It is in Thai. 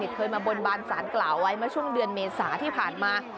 เคยมาบนบานสารกล่าวไว้เมื่อช่วงเดือนเมษาที่ผ่านมา